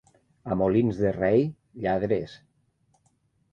A Molins de Rei, lladres.